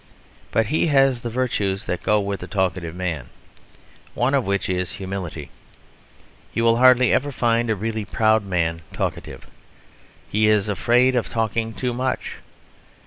But he has the virtues that go with the talkative man; one of which is humility. You will hardly ever find a really proud man talkative; he is afraid of talking too much.